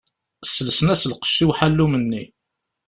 Sselsen-as lqecc i uḥallum-nni.